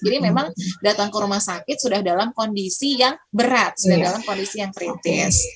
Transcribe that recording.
jadi memang datang ke rumah sakit sudah dalam kondisi yang berat sudah dalam kondisi yang kritis